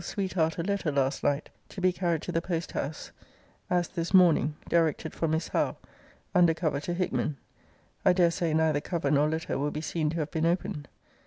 's sweetheart a letter last night to be carried to the post house, as this morning, directed for Miss Howe, under cover to Hickman. I dare say neither cover nor letter will be seen to have been opened.